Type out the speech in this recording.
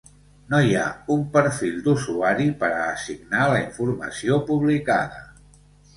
No hi ha un perfil d'usuari per a assignar la informació publicada.